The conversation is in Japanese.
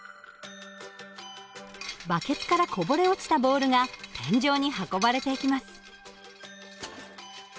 バケツからこぼれ落ちたボールが天井に運ばれていきます。